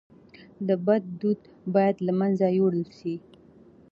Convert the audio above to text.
د بد دود باید له منځه یووړل سي.